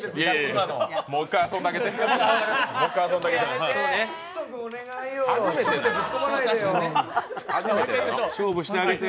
今のもう一回遊んであげて。